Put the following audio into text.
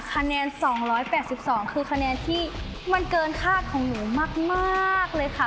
คะแนน๒๘๒คือคะแนนที่มันเกินคาดของหนูมากเลยค่ะ